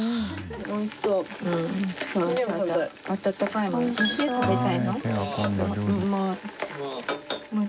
おいしそう。